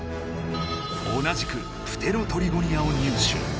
同じくプテロトリゴニアを入手。